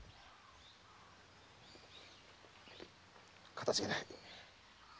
かたじけない。